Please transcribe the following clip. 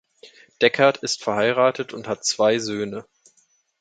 Deckert ist verheiratet und hat zwei Söhne.